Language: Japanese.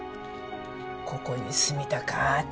ここに住みたかっち。